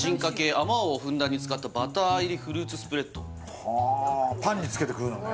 あまおうをふんだんに使ったバター入りフルーツスプレッドパンにつけて食うのね